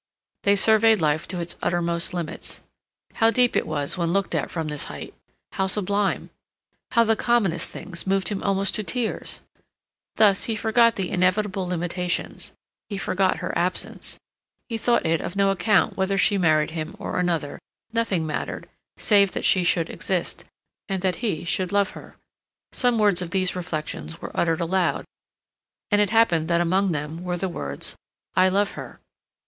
They surveyed life to its uttermost limits. How deep it was when looked at from this height! How sublime! How the commonest things moved him almost to tears! Thus, he forgot the inevitable limitations; he forgot her absence, he thought it of no account whether she married him or another; nothing mattered, save that she should exist, and that he should love her. Some words of these reflections were uttered aloud, and it happened that among them were the words, "I love her."